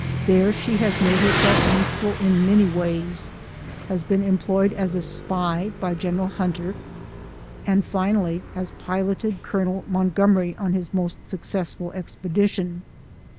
There she has made herself useful in many ways has been employed as a spy by General Hunter, and finally has piloted Col. Montgomery on his most successful expedition.